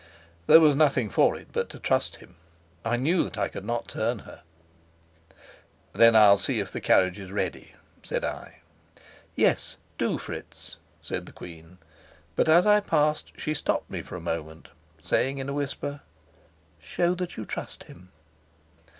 There was nothing for it but to trust him. I knew that I could not turn her. "Then I'll see if the carriage is ready," said I. "Yes, do, Fritz," said the queen. But as I passed she stopped me for a moment, saying in a whisper, "Show that you trust him."